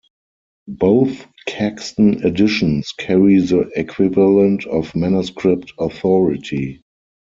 Both Caxton editions carry the equivalent of manuscript authority.